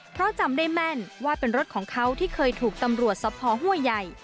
เพราะจำได้แม่นว่าเป็นรถของเขาที่เคยถูกตำรวจสภห้วยใหญ่